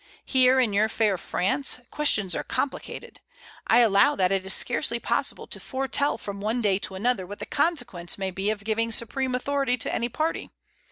"Here in your fair France questions are complicated. I allow that it is scarcely possible to foretell from one day to an other what the consequence may be of giving supreme authority to any party.